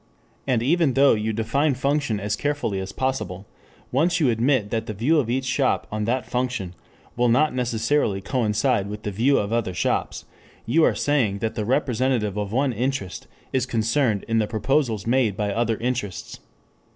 And even though you define function as carefully as possible, once you admit that the view of each shop on that function will not necessarily coincide with the view of other shops, you are saying that the representative of one interest is concerned in the proposals made by other interests.